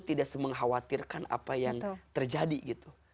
harus mengkhawatirkan apa yang terjadi